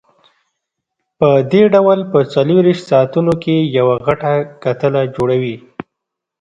پدې ډول په څلورویشت ساعتونو کې یوه غټه کتله جوړوي.